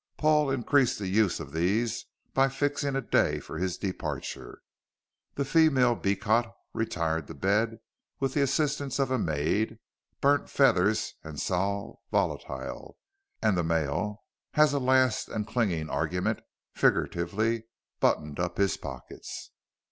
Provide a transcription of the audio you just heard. Paul increased the use of these by fixing a day for his departure. The female Beecot retired to bed with the assistance of a maid, burnt feathers and sal volatile, and the male, as a last and clinching argument, figuratively buttoned up his pockets.